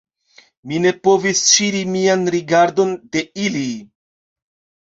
Mi ne povis ŝiri mian rigardon de ili.